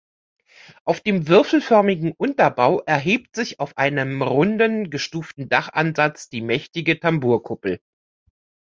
Auf dem würfelförmigen Unterbau erhebt sich auf einem runden, gestuften Dachansatz die mächtige Tambourkuppel.